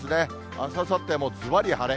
あす、あさってもずばり晴れ。